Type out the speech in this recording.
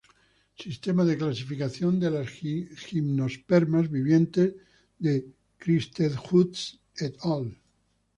Sistema de clasificación de las gimnospermas vivientes de Christenhusz et al.